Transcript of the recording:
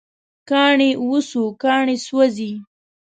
کاڼي وسوه، کاڼي سوزی